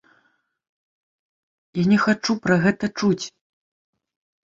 Я не хачу пра гэта чуць!